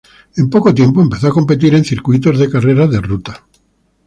En poco tiempo, empezó a competir en circuitos de carreras de ruta.